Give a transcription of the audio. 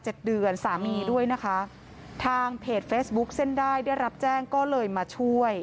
เดือนสามีด้วยนะคะทางเพจเฟซบุ๊คเส้นได้ได้รับแจ้งก็เลยมาช่วย